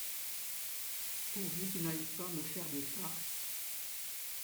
Pourvu qu’il n’aille pas me faire des farces…